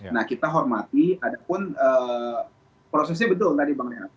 nah kita hormati ada pun prosesnya betul tadi bang renat